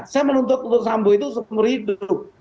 saya menuntut untuk sambu itu seumur hidup